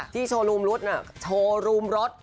ที่โชว์รูมรถอ่ะ